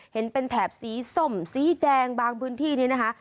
เห็นเป็นแถบสีส้มสีแดงบางพื้นที่นี่นะคะ